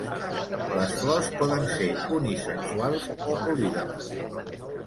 Les flors poden ser unisexuals o polígames.